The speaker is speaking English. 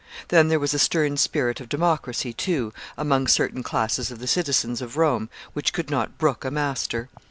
Then there was a stern spirit of democracy, too, among certain classes of the citizens of Rome which could not brook a master.